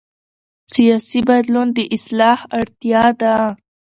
سیاسي بدلون د اصلاح اړتیا ده